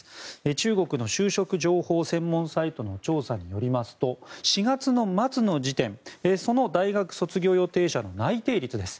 中国の就職情報専門サイトの調査によりますと４月の末の時点その大学卒業予定者の内定率です。